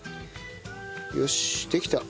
よしできた。